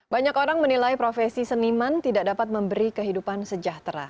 banyak orang menilai profesi seniman tidak dapat memberi kehidupan sejahtera